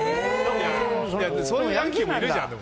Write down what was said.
そういうヤンキーもいるじゃん。